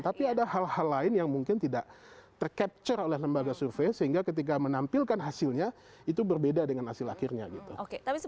tapi ada hal hal lain yang mungkin tidak tercapture oleh lembaga survei sehingga ketika menampilkan hasilnya itu berbeda dengan hasil akhirnya gitu